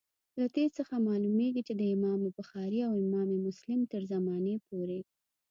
له دې څخه معلومیږي چي د امام بخاري او امام مسلم تر زمانې پوري.